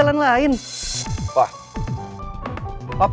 udah ngeri ngeri aja